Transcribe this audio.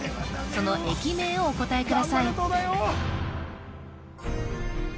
その駅名をお答えください